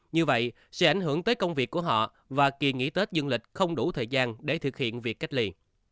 như vậy sẽ ảnh hưởng tới công việc của họ và kỳ nghỉ tết dương lịch không đủ thời gian để thực hiện việc cách ly